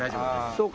そうか。